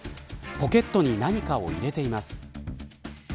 ポケットに何かを入れています。